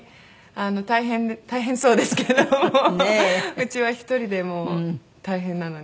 うちは１人でも大変なのに。